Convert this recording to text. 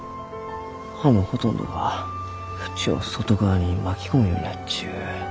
葉のほとんどが縁を外側に巻き込むようになっちゅう。